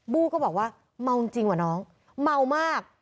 ู้ก็บอกว่าเมาจริงว่ะน้องเมามาก